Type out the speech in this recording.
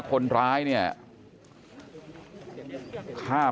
กลุ่มตัวเชียงใหม่